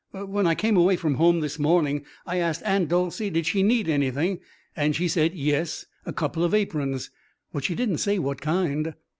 When I come away from home this morning I asked Aunt Dolcey did she need anything, and she said 'yes, a couple of aprons,' but she didn't say what kind."